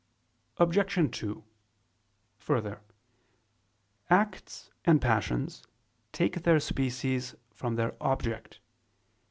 Obj. 2: Further, acts and passions take their species from their object.